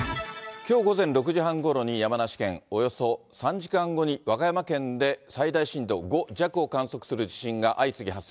きょう午前６時半ごろに、山梨県、およそ３時間後に和歌山県で最大震度５弱を観測する地震が相次ぎ発生。